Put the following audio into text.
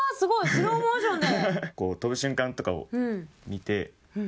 スローモーションで。